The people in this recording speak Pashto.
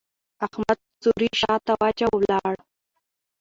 احمد څوری شا ته واچاوو؛ ولاړ.